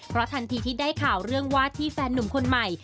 เพราะทันทีที่ได้ข่าวเรื่องวาดที่แฟนหนุ่มคนใหม่